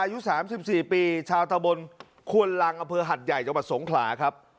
อายุสามสิบสี่ปีชาวตะบนควนลังเอาเพลินหัดใหญ่เข้ามาสงขลาครับ